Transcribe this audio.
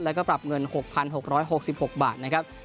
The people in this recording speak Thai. แล้วก็ปรับเงิน๖๖๖๖บาทนะครับ